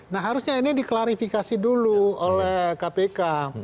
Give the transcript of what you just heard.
nah harusnya ini diklarifikasi dulu oleh kpk